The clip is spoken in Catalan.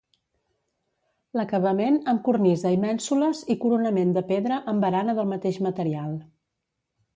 L'acabament amb cornisa i mènsules i coronament de pedra amb barana del mateix material.